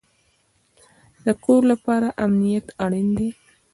د کور لپاره امنیت اړین دی